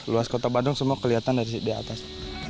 luas kota bandung semua kelihatan dari di atas